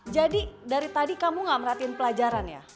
jadi dari tadi kamu gak merhatiin pelajaran ya